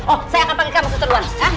oh saya akan panggil kamu suster luas